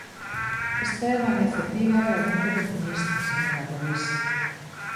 Esta é unha iniciativa realmente oportunista, señora Rodís.